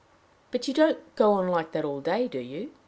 "But you don't go on like that all day, do you?"